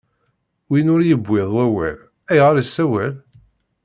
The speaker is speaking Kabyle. Win ur iwwiḍ wawal, ayɣeṛ issawal?